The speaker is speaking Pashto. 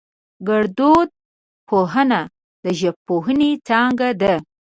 گړدود پوهنه د ژبپوهنې څانگه ده